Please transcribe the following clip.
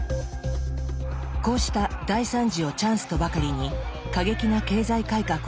こうした大惨事をチャンスとばかりに過激な経済改革を断行する。